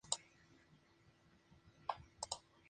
Ese mismo mes, von Mackensen fue destituido por Hitler.